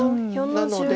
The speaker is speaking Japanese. なので。